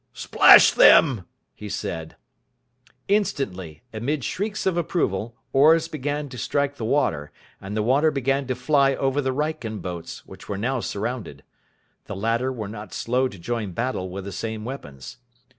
"Splash them!" he said. Instantly, amid shrieks of approval, oars began to strike the water, and the water began to fly over the Wrykyn boats, which were now surrounded. The latter were not slow to join battle with the same weapons.